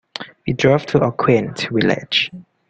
We drove to a quaint village.